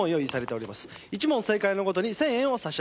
１問正解ごとに１０００円を差し上げます。